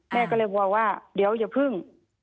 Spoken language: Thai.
แม่ก็เลยบอกว่าเดี๋ยวอย่าพึ่ง